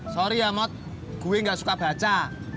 sorry ya mot gue gak suka baca